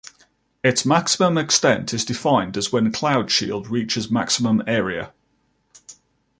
Its maximum extent is defined as when cloud shield reaches maximum area.